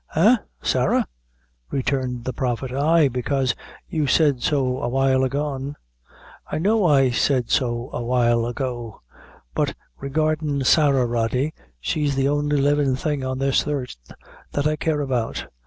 "Eh? Sarah?" returned the Prophet. "Ay; bekaise you said so awhile a gone." "I know I said so awhile ago; but regardin' Sarah, Rody, she's the only livin' thing on this earth that I care about.